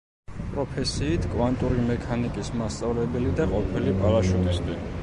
პროფესიით კვანტური მექანიკის მასწავლებელი და ყოფილი პარაშუტისტი.